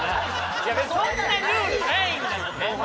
そんなルールないんだもんね